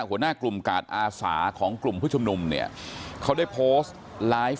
หัวหน้ากลุ่มกาดอาสาของกลุ่มผู้ชุมนุมเนี่ยเขาได้โพสต์ไลฟ์